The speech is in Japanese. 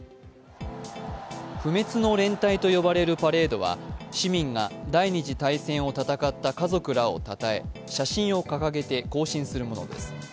不滅の連隊と呼ばれるパレードは市民が第二次大戦を戦った家族らをたたえ写真を掲げて行進するものです。